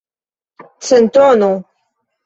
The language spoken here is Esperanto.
Centono?